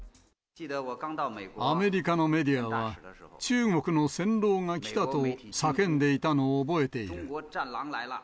アメリカのメディアは、中国の戦狼が来たと叫んでいたのを覚えている。